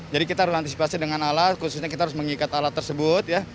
jadi kita harus antisipasi dengan alat khususnya kita harus mengikat alat tersebut ya